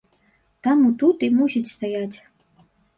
Таму тут і мусіць стаяць.